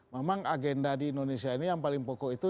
memang agenda di indonesia ini yang paling pokok itu